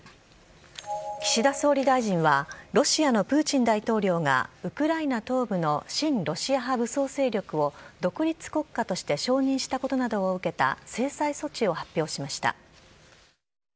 岸田総理大臣は、ロシアのプーチン大統領が、ウクライナ東部の親ロシア派武装勢力を独立国家として承認したことなどを受けた制裁措置を発表しました。